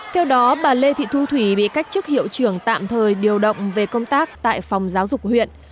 theo đó bà lê thị thu thủy bị cách chức hiệu trưởng tạm thời điều động về công tác tại phòng giáo dục huyện